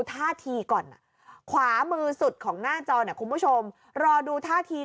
ท่าทีก่อนขวามือสุดของหน้าจอเนี่ยคุณผู้ชมรอดูท่าที